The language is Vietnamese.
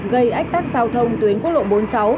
gây ách tắc giao thông tuyến quốc lộ bốn mươi sáu